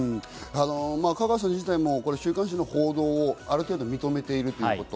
香川さん自体も週刊誌の報道をある程度認めているということ。